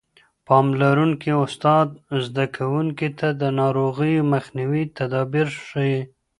پاملرونکی استاد زده کوونکو ته د ناروغیو مخنیوي تدابیر ښيي.